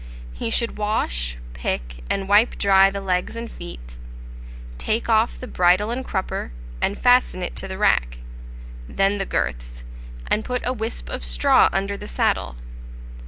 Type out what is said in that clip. He should wash, pick, and wipe dry the legs and feet, take off the bridle and crupper, and fasten it to the rack, then the girths, and put a wisp of straw under the saddle.